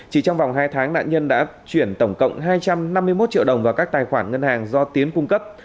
chỉ trong vòng hai tháng nạn nhân đã chuyển tổng cộng hai trăm năm mươi một triệu đồng vào các tài khoản ngân hàng do tiến cung cấp